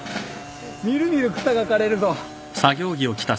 見る見る草が刈れるぞ！